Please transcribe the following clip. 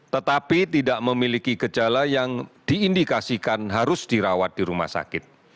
tetapi tidak memiliki gejala yang diindikasikan harus dirawat di rumah sakit